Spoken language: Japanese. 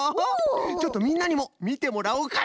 ちょっとみんなにもみてもらおうかの！